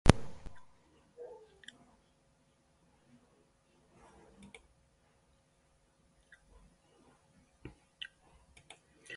Having got the community established, he went off to Ireland to study and teach.